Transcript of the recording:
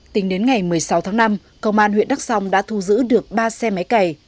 tính đến ngày một mươi sáu tháng năm công an huyện đắk song đã thu giữ được ba xe máy cày